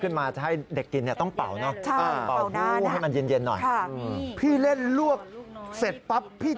นี่แหละครับ